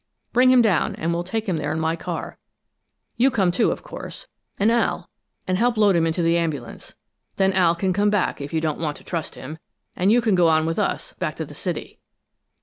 Bring him down and we'll take him there in my car. You come too, of course, and Al, and help load him into the ambulance. Then Al can come back, if you don't want to trust him, and you go on with us, back to the city."